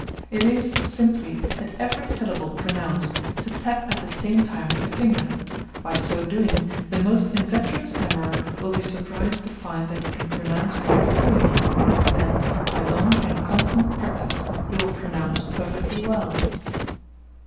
It is, simply, at every syllable pronounced, to tap at the same time with the finger; by so doing, "the most inveterate stammerer will be surprised to find that he can pronounce quite fluently, and, by long and constant practice, he will pronounce perfectly well."